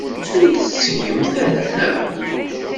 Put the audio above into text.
Ur t-tettgemt ara, naɣ?